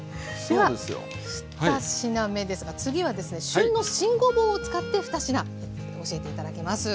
では２品目ですが次はですね旬の新ごぼうを使って２品教えて頂きます。